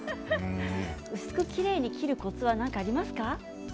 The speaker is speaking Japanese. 薄くきれいに切るコツはありますか。